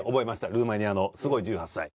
ルーマニアのすごい１８歳。